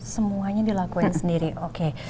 semuanya dilakuin sendiri oke